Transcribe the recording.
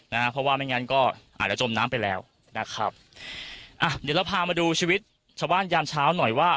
นะฮะเพราะว่าไม่งั้นก็อาจจะจมน้ำไปแล้วนะครับอ่ะเดี๋ยวเราพามาดูชีวิตชาวบ้านยามเช้าหน่อยว่า